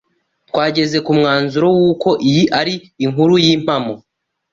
Twageze ku mwanzuro w'uko iyi ari inkuru y'impamo